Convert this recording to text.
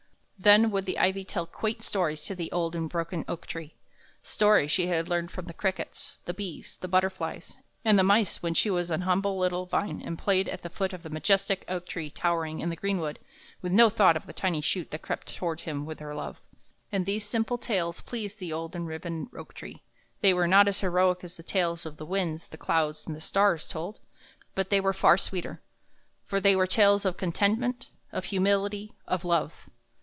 Then would the ivy tell quaint stories to the old and broken oak tree, stories she had learned from the crickets, the bees, the butterflies, and the mice when she was an humble little vine and played at the foot of the majestic oak tree towering in the green wood with no thought of the tiny shoot that crept toward him with her love. And these simple tales pleased the old and riven oak tree; they were not as heroic as the tales the winds, the clouds, and the stars told, but they were far sweeter, for they were tales of contentment, of humility, of love.